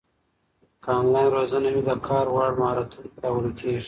که انلاین روزنه وي، د کار وړ مهارتونه پیاوړي کېږي.